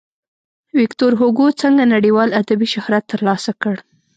ویکتور هوګو څنګه نړیوال ادبي شهرت ترلاسه کړ.